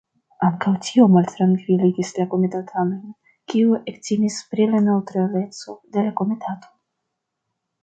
Ankaŭ tio maltrankviligis la komitatanojn, kiuj ektimis pri la neŭtraleco de la komitato.